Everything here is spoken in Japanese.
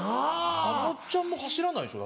あのちゃんも走らないでしょ？